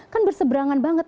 kan bersebrangan banget